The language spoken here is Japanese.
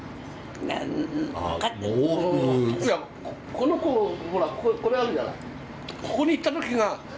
このころこれあるじゃない。